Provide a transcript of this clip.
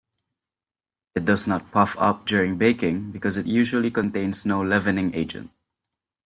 It does not puff up during baking because it usually contains no leavening agent.